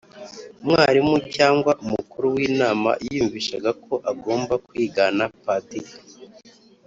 umwalimu cyangwa umukuru w'inama yiyumvishaga ko agomba kwigana Padiri